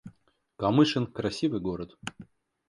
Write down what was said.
Камышин — красивый город